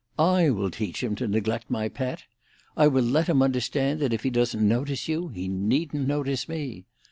I will teach him to neglect my pet. I will let him understand that if he doesn't notice you, he needn't notice me.